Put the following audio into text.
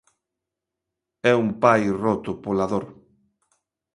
É un pai roto pola dor.